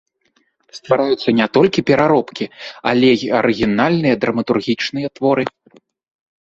Ствараюцца не толькі пераробкі, але і арыгінальныя драматургічныя творы.